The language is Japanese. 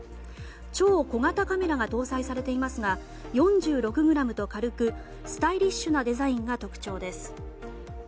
超小型カメラが搭載されていますが４６ｇと軽くスタイリッシュなデザインが特徴です。